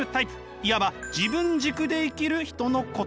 いわば自分軸で生きる人のこと。